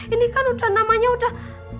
ini kan udah namanya udah